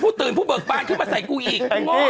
ตื่นผู้เบิกบานขึ้นมาใส่กูอีก